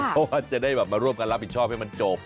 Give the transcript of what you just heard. เพราะว่าจะได้แบบมาร่วมกันรับผิดชอบให้มันจบ